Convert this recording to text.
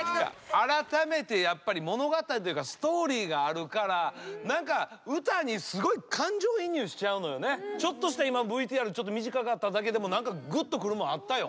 改めてやっぱり物語というかストーリーがあるから何かちょっとした今ＶＴＲちょっと短かっただけでも何かぐっとくるもんあったよ。